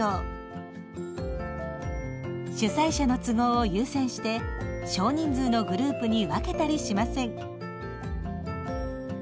主催者の都合を優先して少人数のグループに分けたりしません。